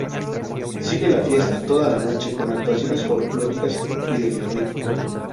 Sigue la fiesta toda la noche con actuaciones folklóricas y de flamenco.